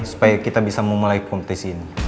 supaya kita bisa memulai kompetisi ini